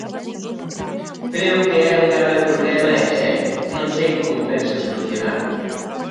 Creo que é un grave problema e serio, non sei como o pensan solucionar.